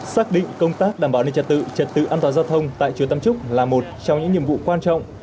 xác định công tác đảm bảo ninh trật tự trật tự an toàn giao thông tại chùa tam trúc là một trong những nhiệm vụ quan trọng